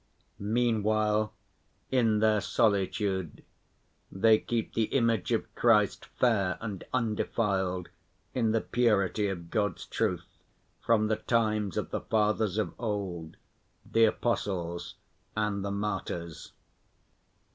Meanwhile, in their solitude, they keep the image of Christ fair and undefiled, in the purity of God's truth, from the times of the Fathers of old, the Apostles and the martyrs.